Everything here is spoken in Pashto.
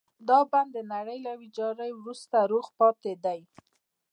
دا بڼ د نړۍ له ويجاړۍ وروسته روغ پاتې دی.